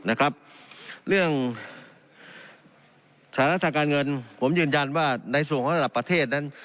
นะครับเรื่องสถานะทางการเงินผมยืนยันว่าในส่วนของระดับประเทศนั้น